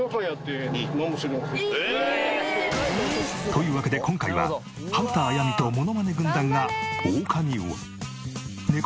というわけで今回はハンター采実とモノマネ軍団がオオカミウオね